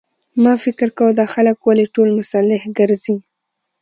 ما فکر کاوه دا خلک ولې ټول مسلح ګرځي.